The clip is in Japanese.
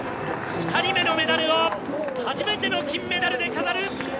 ２人目のメダルを初めての金メダルで飾る！